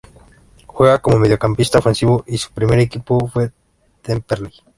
Juega como mediocampista ofensivo y su primer equipo fue Temperley.